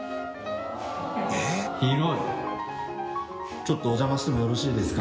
ちょっとお邪魔してもよろしいですか？